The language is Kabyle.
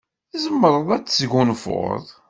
Tzemreḍ ad tesgunfuḍ.